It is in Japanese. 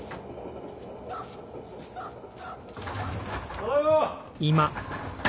ただいま！